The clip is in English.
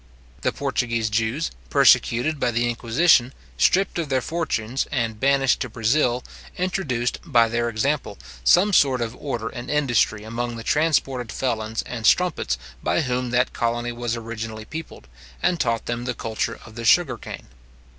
The Portuguese Jews, persecuted by the inquisition, stript of their fortunes, and banished to Brazil, introduced, by their example, some sort of order and industry among the transported felons and strumpets by whom that colony was originally peopled, and taught them the culture of the sugar cane.